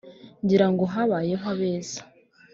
ngira ngo habayo abeza